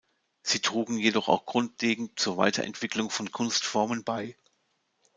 Sie trugen jedoch auch grundlegend zur Weiterentwicklung von Kunstformen bei.